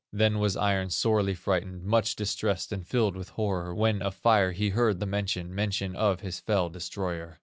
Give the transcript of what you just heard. "Then was Iron sorely frightened, Much distressed and filled with horror, When of Fire he heard the mention, Mention of his fell destroyer.